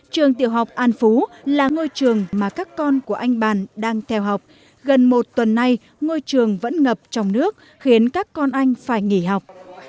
trường tiểu học an phú là ngôi trường mà các con của anh bàn đang theo học gần một tuần nay ngôi trường vẫn ngập trong nước khiến các con anh phải nghỉ học